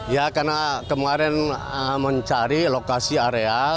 ya karena kemarin mencari lokasi area